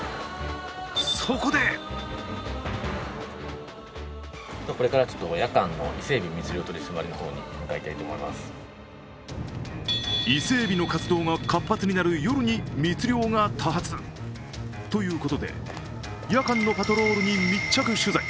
そこで伊勢えびの活動が活発になる夜に密漁が多発ということで夜間のパトロールに密着取材。